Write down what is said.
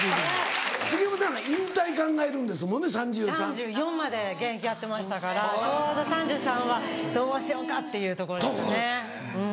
３４まで現役やってましたからちょうど３３はどうしようかっていうところですねうん。